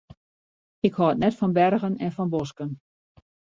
Ik hâld net fan bergen en fan bosken.